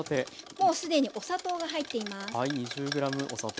もうすでにお砂糖が入っています。